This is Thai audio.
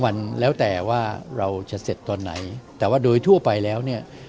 มันแล้วแต่ว่าเราจะเสร็จตอนไหนแต่ว่าโดยทั่วไปแล้วเนี่ย